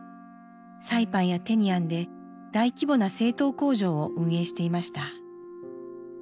サイパンやテニアンで大規模な製糖工場を運営していました。